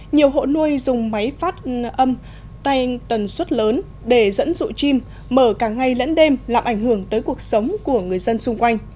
nhiều hộ nuôi dùng máy phát âm tay tần suất lớn để dẫn dụ chim mở cả ngày lẫn đêm làm ảnh hưởng tới cuộc sống của người dân xung quanh